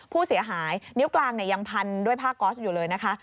ผู้เสียหายนิ้วกลางยังพันด้วยผ้าก๊อสอยู่เลยนะคะ